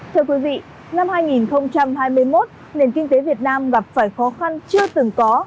thưa quý vị năm hai nghìn hai mươi một nền kinh tế việt nam gặp phải khó khăn chưa từng có